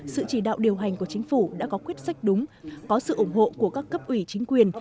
sự chỉ đạo điều hành của chính phủ đã có quyết sách đúng có sự ủng hộ của các cấp ủy chính quyền